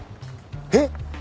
えっ！？